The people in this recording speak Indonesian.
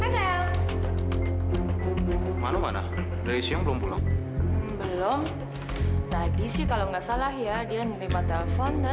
sampai jumpa di video selanjutnya